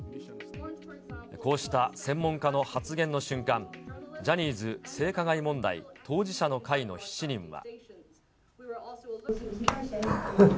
こうした専門家の発言の瞬間、ジャニーズ性加害問題当事者の会の７人は。